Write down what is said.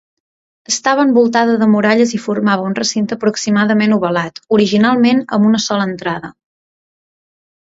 Estava envoltada de muralles, i formava un recinte aproximadament ovalat, originalment amb una sola entrada.